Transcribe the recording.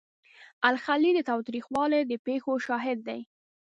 الخلیل د تاوتریخوالي د پیښو شاهد دی.